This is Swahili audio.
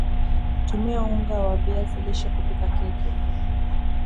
Tumia Unga wa viazi lishe kupikia keki